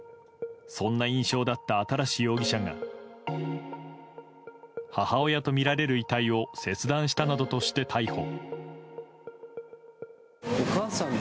そんな印象だった新容疑者が母親とみられる遺体を切断したなどとして逮捕。